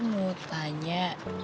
om saya mau tanya